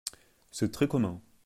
C'est très commun !